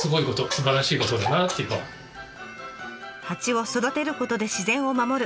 蜂を育てることで自然を守る。